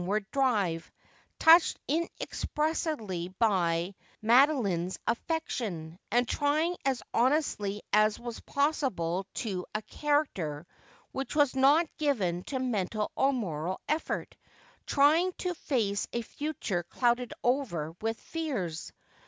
ird drive, touched inexpressibly by Mado line's MfTection, and trying as h''inostly as was possible to a character which was not given to mental or moral efl'ort — try ing to face a future clouded over with fears.